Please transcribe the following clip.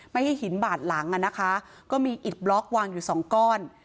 ไม่ให้หินบาดหลังอ่ะนะคะก็มีอิดบล็อกวางอยู่สองก้อน